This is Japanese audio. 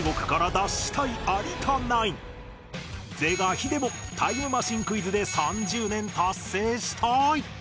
是が非でもタイムマシンクイズで３０年達成したい！